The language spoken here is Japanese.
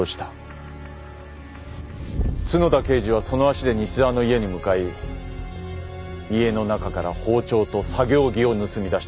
角田刑事はその足で西沢の家に向かい家の中から包丁と作業着を盗み出した。